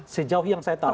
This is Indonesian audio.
sejauh yang saya tahu